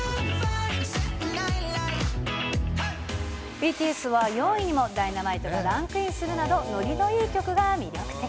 ＢＴＳは４位にもＤｙｎａｍｉｔｅがランクインするなど、乗りのいい曲が魅力的。